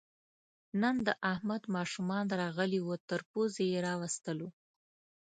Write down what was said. نن د احمد ماشومان راغلي وو، تر پوزې یې راوستلو.